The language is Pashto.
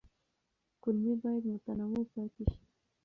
کولمې باید متنوع پاتې شي.